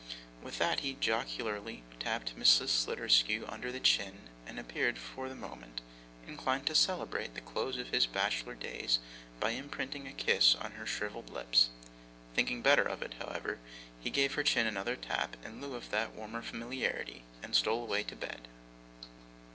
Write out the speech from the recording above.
With that, he jocularly tapped Mrs. Sliderskew under the chin, and appeared, for the moment, inclined to celebrate the close of his bachelor days by imprinting a kiss on her shrivelled lips. Thinking better of it, however, he gave her chin another tap, in lieu of that warmer familiarity, and stole away to bed.